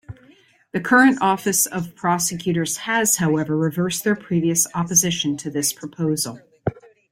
The current office of prosecutors has, however, reversed their previous opposition to this proposal.